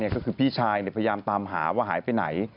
ก็คือพี่ชายพยายามตามหาว่าหายไปไหน